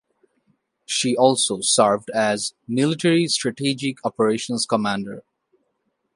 She also served as military strategic operations commander.